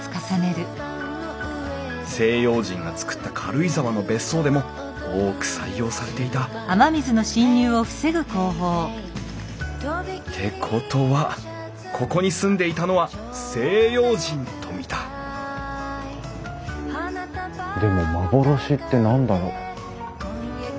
西洋人が作った軽井沢の別荘でも多く採用されていたってことはここに住んでいたのは西洋人とみたでも幻って何だろ？